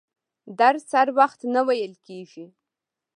درس هر وخت نه ویل کیږي.